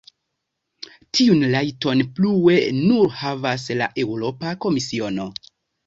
Tiun rajton plue nur havas la Eŭropa Komisiono.